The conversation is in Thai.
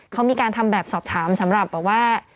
เขามีการทำแบบสอบถามสำหรับบอกว่า